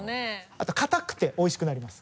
あと硬くておいしくなります。